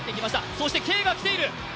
そしてＫが来ている！